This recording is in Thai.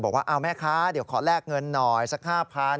บอกว่าเอาแม่คะเดี๋ยวขอแรกเงินหน่อยสัก๕๐๐๐